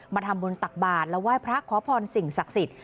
มาทำบุญตักบาทและไหว้พระขอพรสิ่งศักดิ์สิทธิ